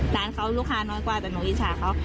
ร้านเขาลูกค้าน้อยกว่าแต่หนูอิจฉาเขา